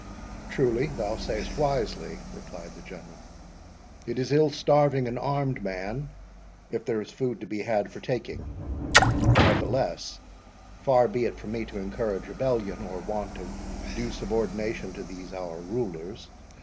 "Truly, thou say'st wisely," replied the General; "it is ill starving an armed man, if there is food to be had for taking—nevertheless, far be it from me to encourage rebellion, or want of due subordination to these our rulers.